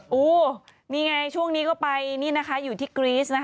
โอ้โหนี่ไงช่วงนี้ก็ไปนี่นะคะอยู่ที่กรี๊สนะคะ